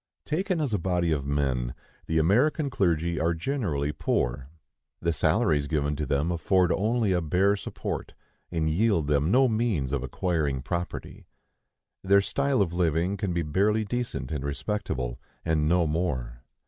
Taken as a body of men, the American clergy are generally poor. The salaries given to them afford only a bare support, and yield them no means of acquiring property. Their style of living can be barely decent and respectable, and no more.